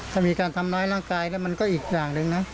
ถ้ามีการทำร้ายร่างกายแล้วมันก็อีกอย่างหนึ่งนะ